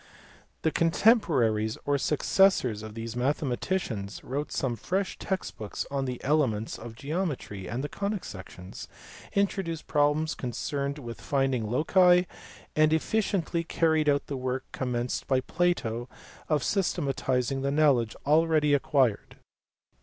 The contemporaries or successors of these mathematicians wrote some fresh text books on the elements of geometry and ithe conic sections, introduced problems concerned with finding lloci, and efficiently carried out the work commenced by Plato of systematizing the knowledge already acquired.